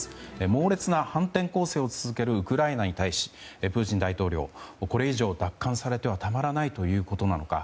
猛烈な反転攻勢を続けるウクライナに対しプーチン大統領これ以上奪還されてはたまらないということなのか。